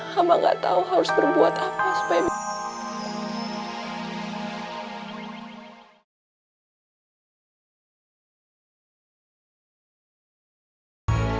hama gak tahu harus berbuat apa supaya